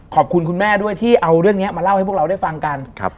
คุณแม่ด้วยที่เอาเรื่องนี้มาเล่าให้พวกเราได้ฟังกัน